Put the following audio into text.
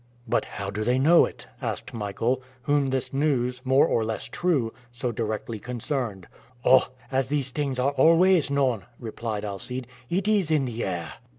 "But how do they know it?" asked Michael, whom this news, more or less true, so directly concerned. "Oh! as these things are always known," replied Alcide; "it is in the air."